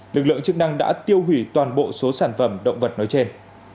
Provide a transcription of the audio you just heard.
lực lượng chức năng đã tiêu hủy toàn bộ số sản phẩm động vật nói trên